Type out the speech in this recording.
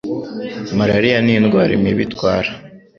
Malariya ni indwara imibu itwara.